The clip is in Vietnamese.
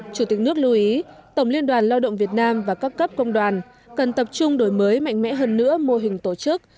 chủ tịch nước lưu ý tổng liên đoàn lao động việt nam và các cấp công đoàn cần tập trung đổi mới mạnh mẽ hơn nữa mô hình tổ chức